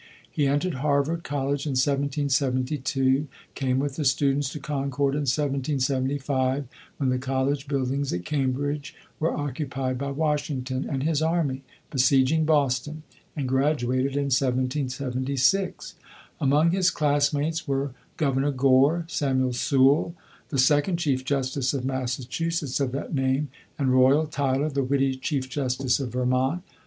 He entered Harvard College in 1772, came with the students to Concord in 1775, when the college buildings at Cambridge were occupied by Washington and his army, besieging Boston, and graduated in 1776. Among his classmates were Governor Gore, Samuel Sewall, the second chief justice of Massachusetts of that name, and Royal Tyler, the witty chief justice of Vermont.